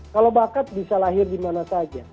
kalau bakat bisa lahir dimana saja